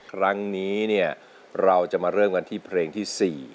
ครั้งนี้เนี่ยเราจะมาเริ่มกันที่เพลงที่๔